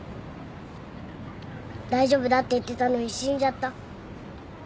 大丈夫だって言ってたのに死んじゃった。